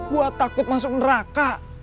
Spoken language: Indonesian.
gue takut masuk neraka